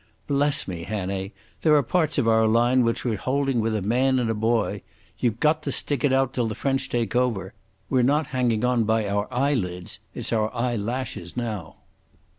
Bless me, Hannay, there are parts of our line which we're holding with a man and a boy. You've got to stick it out till the French take over. We're not hanging on by our eyelids—it's our eyelashes now."